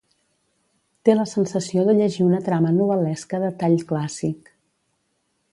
Té la sensació de llegir una trama novel·lesca de tall clàssic.